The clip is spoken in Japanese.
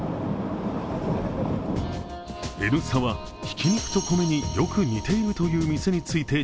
「Ｎスタ」は挽肉と米によく似ているという店について